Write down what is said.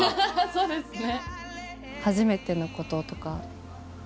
そうですね。